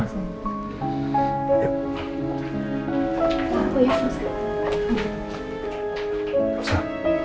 mama lagi pengen apa